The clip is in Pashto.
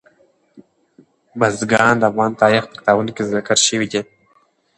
بزګان د افغان تاریخ په کتابونو کې ذکر شوی دي.